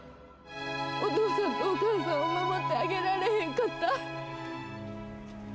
お父さんとお母さんを守ってあげられへんかった。